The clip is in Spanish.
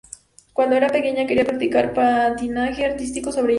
Cuando era pequeña quería practicar patinaje artístico sobre hielo.